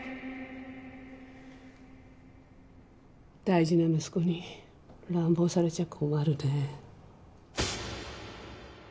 大事な息子に乱暴されちゃ困るね